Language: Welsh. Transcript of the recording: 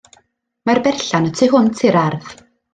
Mae'r berllan y tu hwnt i'r ardd.